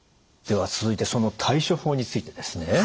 では続いてその対処法についてですね。